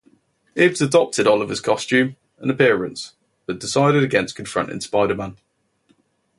Hibbs adopted Oliver's costume and appearance, but decided against confronting Spider-Man.